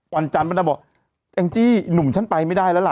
วันจันทร์มันจะบอกแองจี้หนุ่มฉันไปไม่ได้แล้วล่ะ